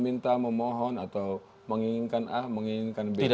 minta memohon atau menginginkan a menginginkan b